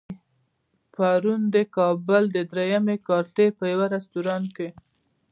پرون د کابل د درېیمې کارتې په يوه رستورانت کې.